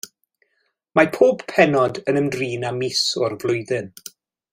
Mae pob pennod yn ymdrin â mis o'r flwyddyn.